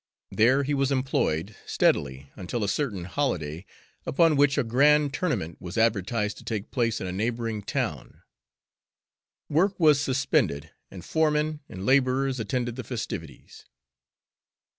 There he was employed steadily until a certain holiday, upon which a grand tournament was advertised to take place in a neighboring town. Work was suspended, and foremen and laborers attended the festivities.